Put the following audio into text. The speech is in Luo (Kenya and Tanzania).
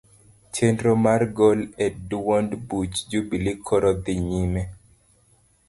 Chenro mar gol e duond buch jubilee koro dhi nyime.